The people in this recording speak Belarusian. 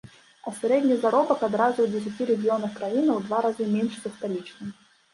А сярэдні заробак адразу ў дзесяці рэгіёнах краіны ў два разы менш за сталічны.